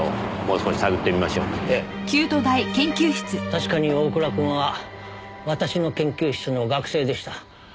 確かに大倉くんは私の研究室の学生でした。